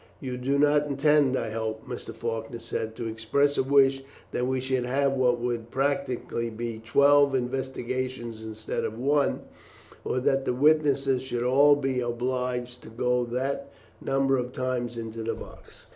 "You do not intend, I hope," Mr. Faulkner said, "to express a wish that we should have what would practically be twelve investigations instead of one, or that the witnesses should all be obliged to go that number of times into the box."